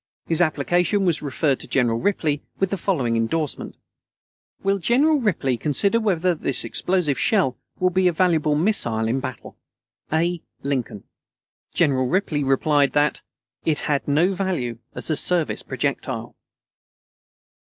His application was referred to General Ripley with the following endorsement: Will General Ripley consider whether this explosive shell will be a valuable missile in battle? A. LINCOLN. General Ripley replied that "it had no value as a service projectile."